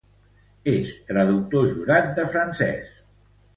És traductor jurat de francès.